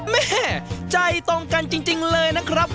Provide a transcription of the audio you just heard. แม่ใจตรงกันจริงเลยนะครับ